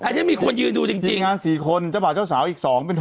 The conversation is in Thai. อันนี้มีคนยืนดูจริงจริงทีมงานสี่คนจอบกว่าเจ้าสาวอีกสองเป็นหก